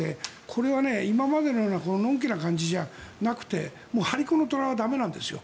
これは今までのようなのんきなような感じじゃなくて張り子の虎は駄目なんですよ。